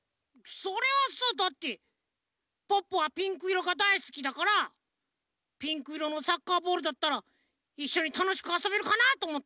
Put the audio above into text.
それはさだってポッポはピンクいろがだいすきだからピンクいろのサッカーボールだったらいっしょにたのしくあそべるかなとおもって。